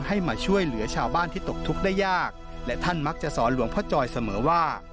มาช่วยเหลือชาวบ้านที่ตกทุกข์ได้ยากและท่านมักจะสอนหลวงพ่อจอยเสมอว่า